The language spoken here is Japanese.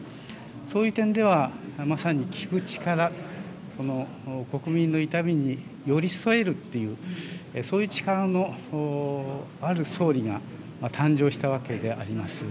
そういう点では、まさに聞く力、国民の痛みに寄り添えるという、そういう力のある総理が、誕生したわけであります。